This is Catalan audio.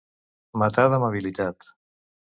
Matar d'amabilitat